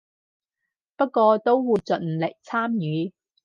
不過都會盡力參與